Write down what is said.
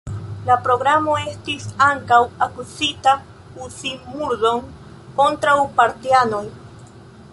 La programo estis ankaŭ akuzita uzi murdon kontraŭ partianoj.